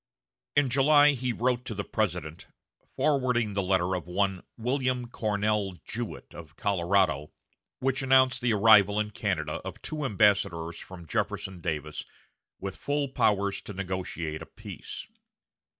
In July he wrote to the President, forwarding the letter of one "Wm. Cornell Jewett of Colorado," which announced the arrival in Canada of two ambassadors from Jefferson Davis with full powers to negotiate a peace.